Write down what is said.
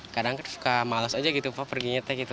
kadang kan suka males aja gitu perginyetnya gitu